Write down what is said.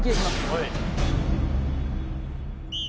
はい。